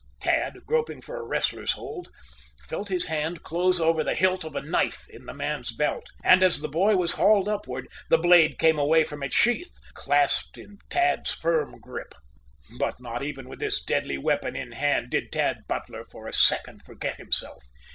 Tad, groping for a wrestler's hold, felt his hand close over the hilt of a knife in the man's belt. And, as the boy was hauled upward, the blade came away from its sheath, clasped in Tad's firm grip. But not even with this deadly weapon in hand did Tad Butler for a second forget himself.